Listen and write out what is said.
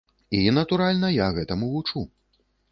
І, натуральна, я гэтаму вучу.